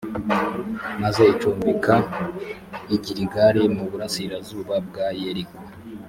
maze icumbika i giligali, mu burasirazuba bwa yeriko.